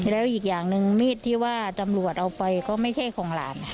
แล้วอีกอย่างหนึ่งมีดที่ว่าตำรวจเอาไปก็ไม่ใช่ของหลาน